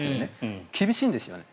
厳しいんですよね。